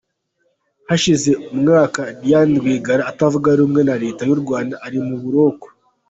Hashize umwaka Diane Rwigara utavuga rumwe na leta y’u Rwanda ari mu buroko.